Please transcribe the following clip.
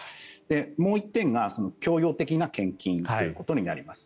もう１点が強要的な献金ということになります。